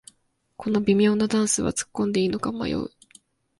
この微妙なダンスはつっこんでいいのか迷う